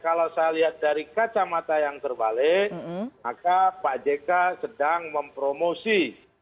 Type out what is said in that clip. kalau saya lihat dari kacamata yang terbalik maka pak jk sedang mempromosi